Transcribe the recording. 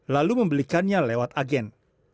lalu membelikannya lewat agen